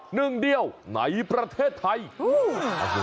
หนึ่งเดียวในประเทศไทย